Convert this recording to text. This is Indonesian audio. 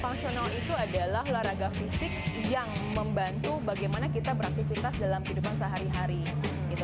functional itu adalah olahraga fisik yang membantu bagaimana kita beraktifitas dalam kehidupan sehari hari